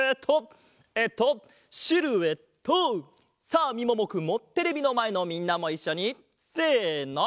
さあみももくんもテレビのまえのみんなもいっしょにせの！